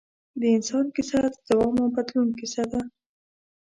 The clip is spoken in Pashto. د انسان کیسه د دوام او بدلون کیسه ده.